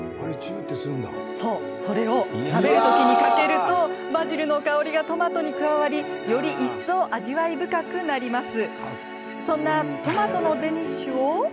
それを食べる時にかけるとバジルの香りがトマトに加わりより一層、味わい深くなります。